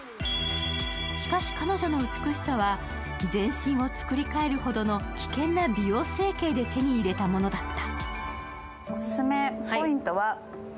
しかし、彼女の美しさを全身を作りかえるほどの危険な美容整形で手に入れたものだった。